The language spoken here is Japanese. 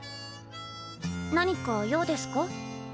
何か用ですか？